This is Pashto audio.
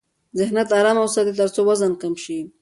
ذهنیت آرام وساتئ ترڅو وزن کم شي.